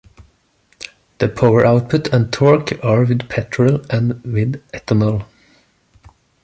The power output and torque are with petrol and with ethanol.